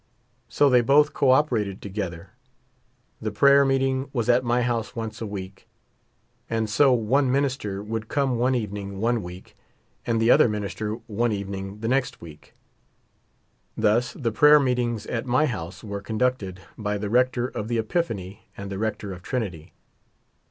So they both co operated together. The prayer meeting was at my liouse once a week ; and so one minister would come one evening one week and the other minister one evening the next week. Thus the 'prayer meetings at my house were conducted by the rector of the Epiphany and the rector of Trinity.